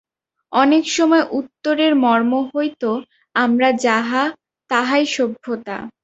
অনেক সময় উত্তরের মর্ম হইত আমরা যাহা, তাহাই সভ্যতা।